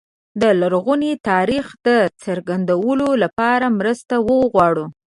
د لرغوني تاریخ د څرګندولو لپاره مرسته وغواړو.